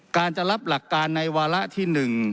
การจะรับหลักการในวาระที่๑